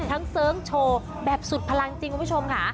เสิร์ชโชว์แบบสุดพลังจริงคุณผู้ชมค่ะ